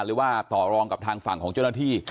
หรือว่าต่อรองกับทางฝั่งของเจ้าหน้าที่